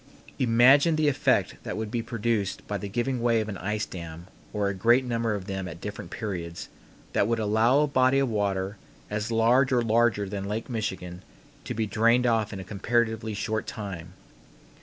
Imagine the effect that would be produced by the giving way of an ice dam or a great number of them at different periods, that would allow a body of water as large or larger than Lake Michigan to be drained off in a comparatively short time.